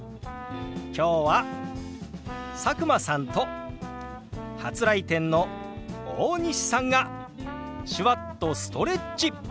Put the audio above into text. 今日は佐久間さんと初来店の大西さんが手話っとストレッチ！